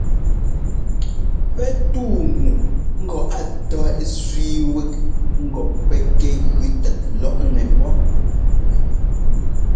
Pɛ́ túu ŋu ŋgɔ a tɔ́ ɛ́sẅíi wɛ́k ŋgɔ pɛ́ kɛ gʉ tɛt lɔꞌnɛ pɔ́.